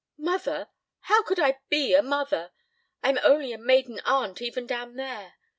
"Mother? How could I be a mother? I'm only a maiden aunt even down there.